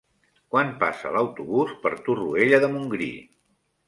Quan passa l'autobús per Torroella de Montgrí?